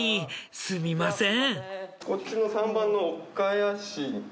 すみません。